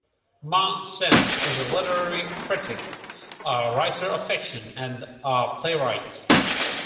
Ma Sen is a literary critic, a writer of fiction, and a playwright.